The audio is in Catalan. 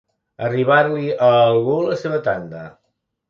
Arribar-li a algú la seva tanda.